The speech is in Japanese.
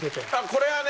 これはね。